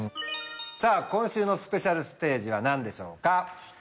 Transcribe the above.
さぁ今週のスペシャルステージは何でしょうか？